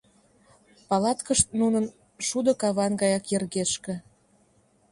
Палаткышт нунын шудо каван гаяк йыргешке.